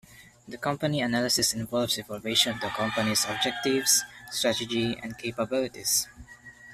The company analysis involves evaluation of the company's objectives, strategy, and capabilities.